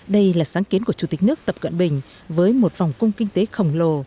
đây là sáng kiến của chủ tịch nước tập cận bình với một vòng cung kinh tế khổng lồ